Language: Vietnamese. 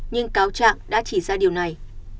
nhưng cáo trạng đã chỉ ra điều này